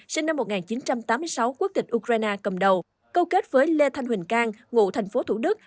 sinh năm một nghìn chín trăm tám mươi sáu quốc tịch ukraine cầm đầu câu kết với lê thanh huỳnh cang ngụ tp thủ đức